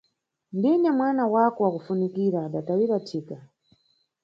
Ndine mwana wako wakufunikira adatawira thika.